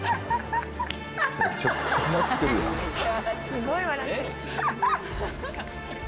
すごい笑ってる。